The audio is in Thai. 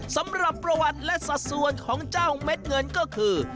สำหรับประวัติและสัดส่วนของเจ้าเม็ดเงินก็คือ